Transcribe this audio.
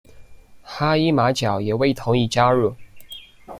哈伊马角也未同意加入。